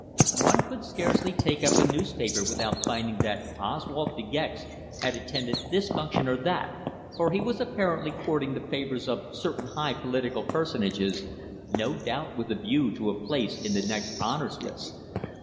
One could scarcely take up a newspaper without finding that Oswald De Gex had attended this function or that, for he was apparently courting the favours of certain high political personages, no doubt with a view to a place in the next Honours List.